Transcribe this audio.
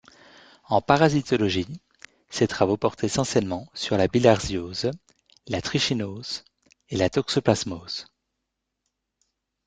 En parasitologie, ses travaux portent essentiellement sur la bilharziose, la trichinose et la toxoplasmose.